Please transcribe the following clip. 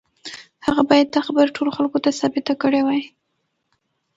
هغه بايد دا خبره ټولو خلکو ته ثابته کړې وای.